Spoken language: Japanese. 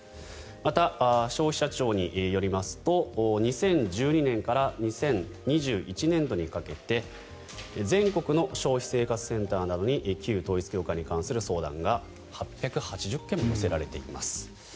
また、消費者庁によりますと２０１２年から２０２１年度にかけて全国の消費生活センターなどに旧統一教会に関する相談が８８０件も寄せられています。